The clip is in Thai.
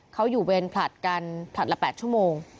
เขาอยู่เวรผลัดกันผลัดละ๘ชั่วโมง